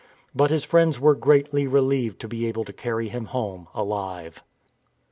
But his friends were greatly relieved to be able to carry him home alive.